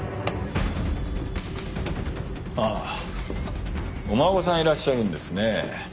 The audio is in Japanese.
あぁお孫さんいらっしゃるんですね。